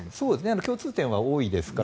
共通点は多いですから。